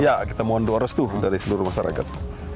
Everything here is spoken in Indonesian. ya kita mohon doa restu dari seluruh masyarakat